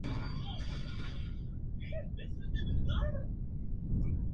Fue filmado en Los Ángeles y Toronto.